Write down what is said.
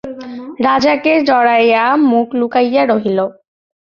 রাজাকে জড়াইয়া মুখ লুকাইয়া রহিল।